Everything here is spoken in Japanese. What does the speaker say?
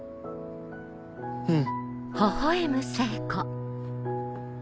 うん。